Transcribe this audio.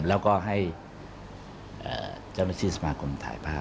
แล้วก็ให้เจ้าหน้าที่สมาคมถ่ายภาพ